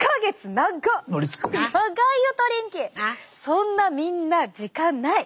そんなみんな時間ない！